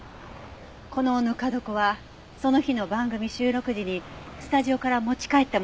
このぬか床はその日の番組収録時にスタジオから持ち帰ったものではありませんか？